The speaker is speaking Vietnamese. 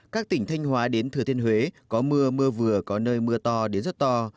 các tỉnh thanh hóa đến thừa thiên huế có mưa mưa vừa có nơi mưa to đến rất to